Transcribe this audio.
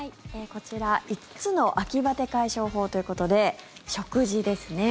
こちら５つの秋バテ解消法ということで食事ですね